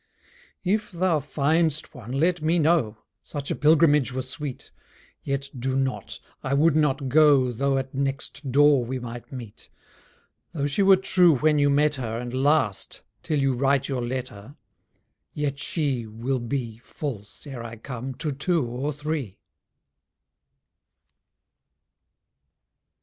If thou find'st one, let me know; Such a pilgrimage were sweet. Yet do not; I would not go, Though at next door we might meet. Though she were true when you met her, And last till you write your letter, Yet she Will be False, ere I come, to two or three.